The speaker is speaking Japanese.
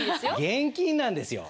現金なんですよ。